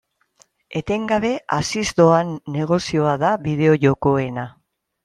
Etengabe haziz doan negozioa da bideo-jokoena.